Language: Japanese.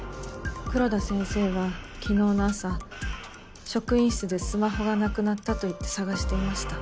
黒田先生は昨日の朝職員室で「スマホがなくなった」と言って探していました。